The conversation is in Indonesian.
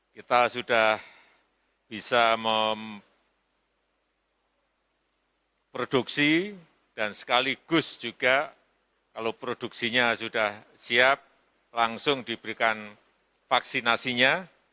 kita sudah bisa memproduksi dan sekaligus juga kalau produksinya sudah siap langsung diberikan vaksinasinya